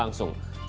kita sudah berhasil